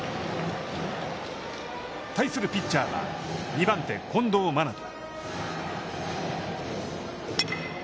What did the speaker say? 対するピッチャーは、２番手近藤愛斗。